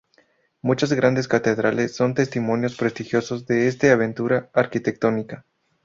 Muchas grandes catedrales son testimonios prestigiosos de este aventura arquitectónica.